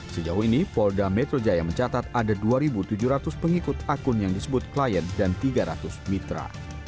sejauh ini polda metro jaya mencatat ada dua tujuh ratus pengikut akun yang disebut klien dan tiga ratus mitra